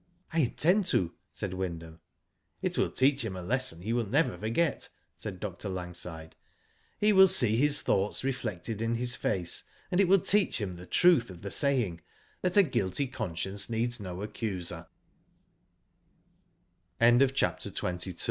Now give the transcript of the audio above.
'• I intend to," said Wyndham. *' It will teach him a lesson he will never forget," said Dr. Langside. " He will see his thoughts reflected in his face, and it will teach him the truth of the saying that 'a guilty conscience needs n